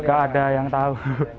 nggak ada yang tahu